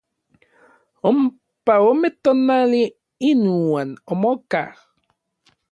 Ompa ome tonali inuan omokaj.